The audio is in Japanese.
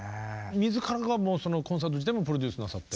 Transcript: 自らがもうそのコンサート自体もプロデュースなさって。